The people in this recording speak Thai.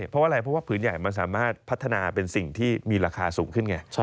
เพราะอะไรเพราะว่าผืนใหญ่มันสามารถพัฒนาเป็นสิ่งที่มีราคาสูงขึ้นไง